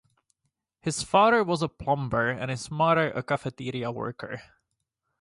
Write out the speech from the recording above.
His father was a plumber and his mother a cafeteria worker.